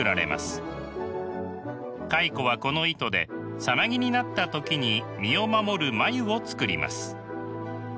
蚕はこの糸でさなぎになった時に身を守る繭を作ります。